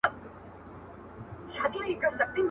پیغام د ښکلیو کلماتو، استعارو، ,